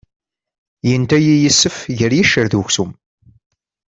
Yenta-iyi yisef gar yiccer d uksum.